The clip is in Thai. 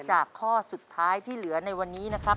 ข้อสุดท้ายที่เหลือในวันนี้นะครับ